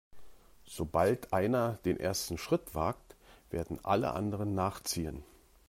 Sobald einer den ersten Schritt wagt, werden alle anderen nachziehen.